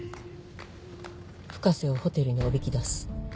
深瀬をホテルにおびき出す